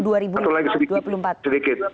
satu lagi sedikit